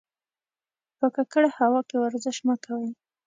په ککړه هوا کې ورزش مه کوئ.